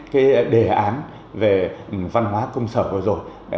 cái đề án về văn hóa công sở vừa rồi